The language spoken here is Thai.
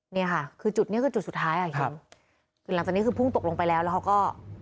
เนี่ยค่ะคือจุดเนี้ยคือจุดสุดท้ายอ่ะเห็นคือหลังจากนี้คือพุ่งตกลงไปแล้วแล้วเขาก็